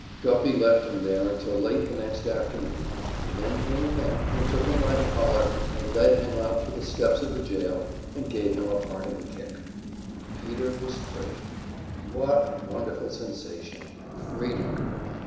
Guffey left him there until late the next afternoon, and then came again, and took him by the collar, and led him out to the steps of the jail, and gave him a parting kick. Peter was free! What a wonderful sensation freedom!